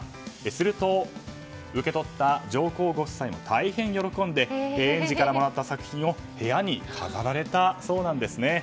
すると、受け取った上皇ご夫妻大変喜んで園児からもらった作品を部屋に飾られたそうなんですね。